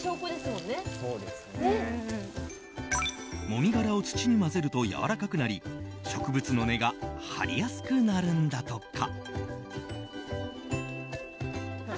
もみ殻を土に混ぜるとやわらかくなり植物の根が張りやすくなるんだとか。